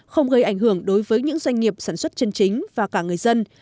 không gây ảnh hưởng đối với những doanh nghiệp sản xuất chân chính và cả người dân